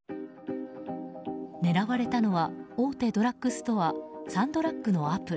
狙われたのは大手ドラッグストアサンドラッグのアプリ。